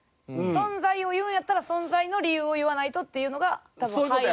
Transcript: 存在を言うんやったら存在の理由を言わないとっていうのが多分敗因。